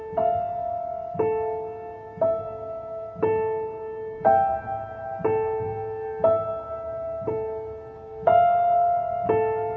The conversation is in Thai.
วิธีนักศึกษาติธรรมชาติ